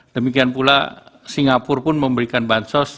demikian pula singapura pun memberikan bantuan sosial